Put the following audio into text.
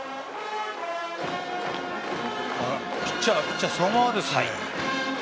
ピッチャーそのままですね。